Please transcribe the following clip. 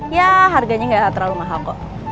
ya harganya nggak terlalu mahal kok